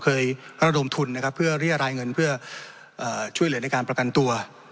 เคยระดมทุนนะครับเพื่อเรียรายเงินเพื่อช่วยเหลือในการประกันตัว